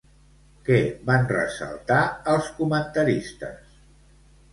Què van ressaltar els comentaristes?